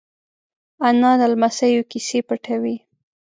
انا له لمسيو کیسې پټوي